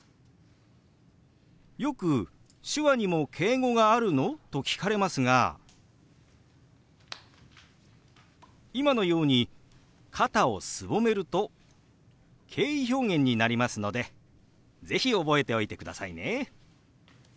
よく「手話にも敬語があるの？」と聞かれますが今のように肩をすぼめると敬意表現になりますので是非覚えておいてくださいね。